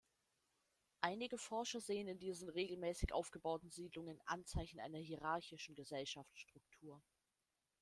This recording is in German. Einige Forscher sehen in diesen regelmäßig aufgebauten Siedlungen Anzeichen einer hierarchischen Gesellschaftsstruktur.